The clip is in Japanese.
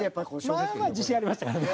まあまあ自信ありましたからね。